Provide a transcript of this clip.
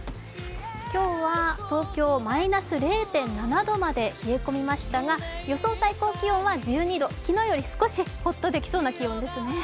今日は東京、マイナス０．７度まで冷え込みましたが、予想最高気温は１２度、昨日より少しほっとできる気温ですね。